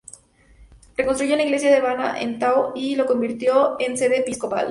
Reconstruyó la iglesia de Bana en Tao y la convirtió en sede episcopal.